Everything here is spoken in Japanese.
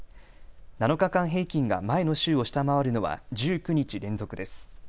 ７日間平均が前の週を下回るのは１９日連続です。